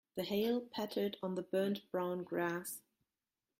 The hail pattered on the burnt brown grass.